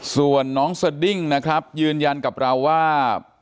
ส่วนน้องสดิ้งนะครับยืนยันกับเราว่า